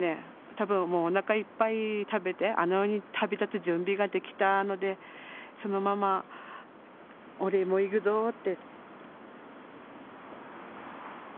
多分もうおなかいっぱい食べてあの世に旅立つ準備ができたのでそのまま俺も逝くぞって。